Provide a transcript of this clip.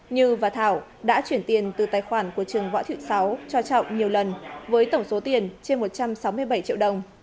như và thảo đã chuyển tiền từ tài khoản của trường võ thị sáu cho trọng nhiều lần với tổng số tiền trên một trăm sáu mươi bảy triệu đồng